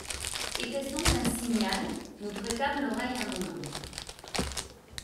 Était-ce donc un signal ? Nous prêtâmes l'oreille un moment.